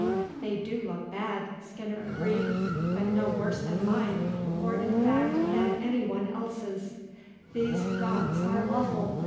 "They do look bad," Skinner agreed, "but no worse than mine, or in fact than any one else's. These rocks are awful.